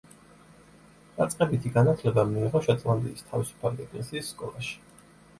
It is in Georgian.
დაწყებითი განათლება მიიღო შოტლანდიის თავისუფალი ეკლესიის სკოლაში.